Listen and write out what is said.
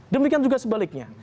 demikian juga sebaliknya